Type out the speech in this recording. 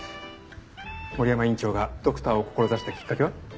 森山院長がドクターを志したきっかけは？